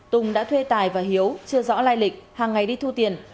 tùng đã thuê tài và hiếu chưa rõ lai lịch hàng ngày đi thu tiền